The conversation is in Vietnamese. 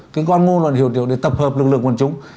cái cơ quan ngôn luận hiệu tiểu để tập hợp lực lượng quần chúng